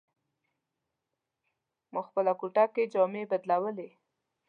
ما خپله کوټه کې جامې بدلولې.